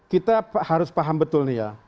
kita harus paham betul nih ya